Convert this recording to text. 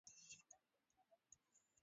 matembele huwa na virutub vingiisho